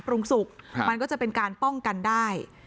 สุกมันก็จะเป็นการป้องกันได้